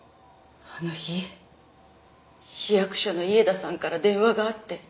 あの日市役所の伊江田さんから電話があって。